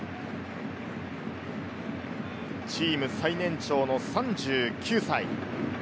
チーム最年長の３９歳。